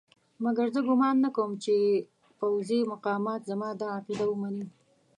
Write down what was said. مګر زه ګومان نه کوم چې پوځي مقامات زما دا عقیده ومني.